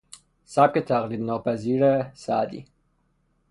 سبک تقلید ناپذیر سعدی